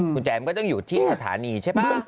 คุณแจมก็ต้องอยู่ที่สถานีใช่ไหม